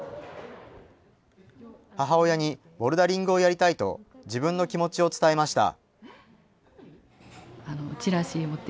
母親にボルダリングをやりたいと、自分の気持ちを伝えました。